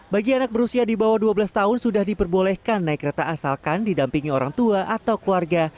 bagi anak berusia di bawah dua belas tahun sudah diperbolehkan naik kereta asalkan didampingi orang tua atau keluarga